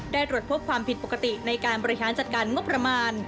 ตรวจพบความผิดปกติในการบริหารจัดการงบประมาณ